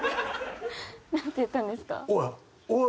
なんて言ったんですか？